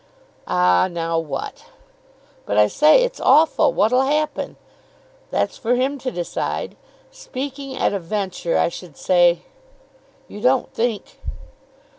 "Ah, now, what!" "But, I say, it's awful. What'll happen?" "That's for him to decide. Speaking at a venture, I should say " "You don't think